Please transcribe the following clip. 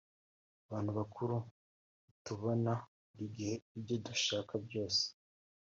abantu bakuru ntitubona buri gihe ibyo dushaka byose